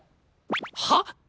はっ？